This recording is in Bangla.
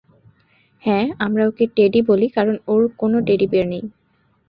হ্যাঁ, আমরা ওকে টেডি বলি কারণ ওর কোনও টেডি বিয়ার নেই।